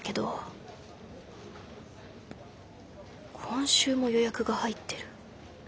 今週も予約が入ってる。